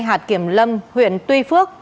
hạt kiểm lâm huyện tuy phước